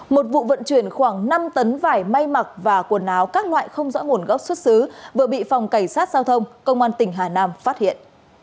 một vụ vận chuyển khoảng năm tấn vải may mặc và quần áo các loại không rõ nguồn gốc xuất xứ vừa bị phòng cảnh sát giao thông công an tỉnh hà nam phát hiện